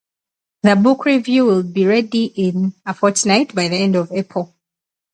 The book review will be ready in a fortnight, by the end of April.